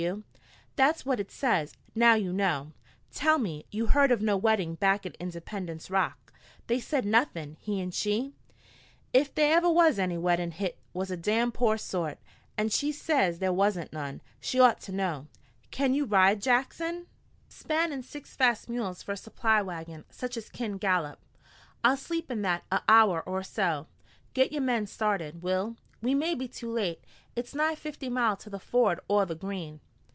W.' "That's what it says. Now you know. Tell me you heard of no wedding back at Independence Rock? They said nothing? He and she " "Ef they was ever any weddin' hit was a damned pore sort, an' she says thar wasn't none. She'd orto know." "Can you ride, Jackson?" "Span in six fast mules for a supply wagon, such as kin gallop. I'll sleep in that a hour or so. Git yore men started, Will. We may be too late. It's nigh fifty mile to the ford o' the Green."